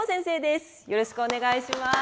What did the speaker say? よろしくお願いします。